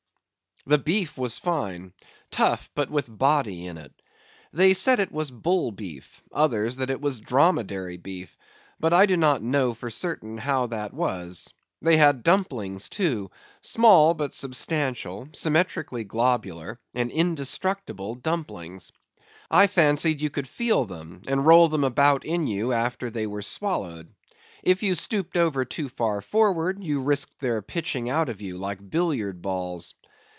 The beef was fine—tough, but with body in it. They said it was bull beef; others, that it was dromedary beef; but I do not know, for certain, how that was. They had dumplings too; small, but substantial, symmetrically globular, and indestructible dumplings. I fancied that you could feel them, and roll them about in you after they were swallowed. If you stooped over too far forward, you risked their pitching out of you like billiard balls.